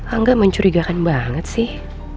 angga mencurigakan banget sih